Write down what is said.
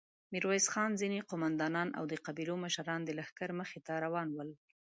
ميرويس خان، ځينې قوماندانان او د قبيلو مشران د لښکر مخې ته روان ول.